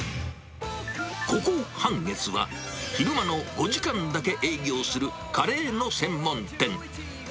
ここ、半月は、昼間の５時間だけ営業するカレーの専門店。